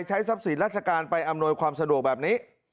ใช้ทรัพย์สินราชการไปอำนวยความสะดวกแบบนี้